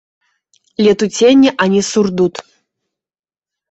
Летуценне, а не сурдут.